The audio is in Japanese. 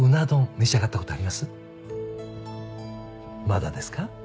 まだですか？